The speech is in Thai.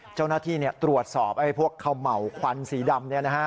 เจ้าหน้าที่ตรวจสอบให้พวกเขม่าขวัญสีดำนี่นะฮะ